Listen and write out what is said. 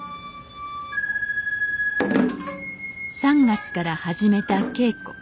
３月から始めた稽古。